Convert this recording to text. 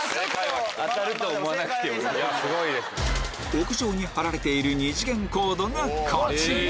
屋上に張られている二次元コードがこちら